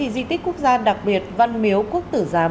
di tích quốc gia đặc biệt văn miếu quốc tử giám